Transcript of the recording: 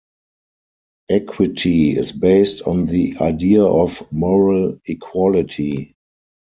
Equity is based on the idea of moral equality.